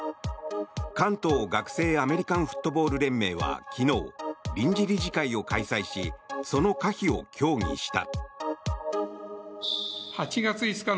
関東学生アメリカンフットボール連盟は昨日臨時理事会を開催しその可否を協議した。